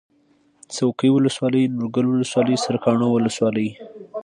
څوکۍ ولسوالي نورګل ولسوالي سرکاڼو ولسوالي